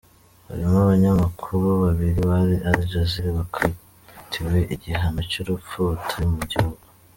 Barimo abanyamakuru babiri ba Al Jazeera bakatiwe igihano cy'urupfu batari mu gihugu.